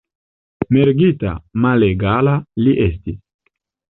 Mergita, malegala li estis!